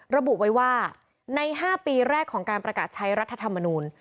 ระบุไว้ว่าใน๕ปีแรกของการประกาศใช้รัฐธรรมนูล